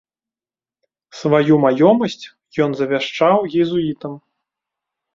Сваю маёмасць ён завяшчаў езуітам.